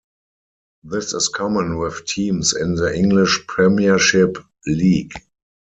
This is common with teams in the English Premiership League.